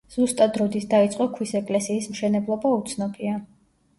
ზუსტად როდის დაიწყო ქვის ეკლესის მშენებლობა, უცნობია.